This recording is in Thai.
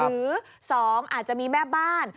หรือ๒อาจจะมีแม่บ้าน